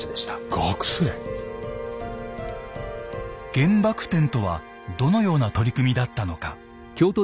「原爆展」とはどのような取り組みだったのか。